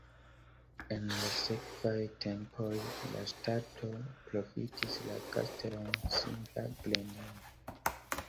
En la sekvaj tempoj la ŝtato profitis la kastelon simpla grenejo.